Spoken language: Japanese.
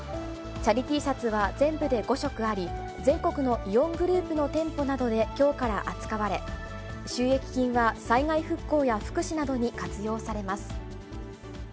チャリＴシャツは全部で５色あり、全国のイオングループの店舗などできょうから扱われ、収益金は災害復興や福祉などに活用されます。